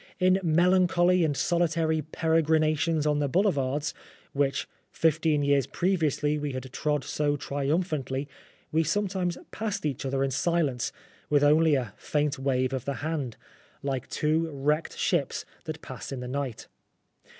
In melancholy and solitary peregrinations on the boulevards, which fifteen years previously we had trod so triumphantly, we sometimes passed each other in silence, with only a faint wave of the hand like two wrecked ships that pass in the night.